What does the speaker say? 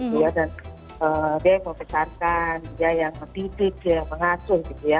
dia yang membesarkan dia yang mendidik dia yang mengacu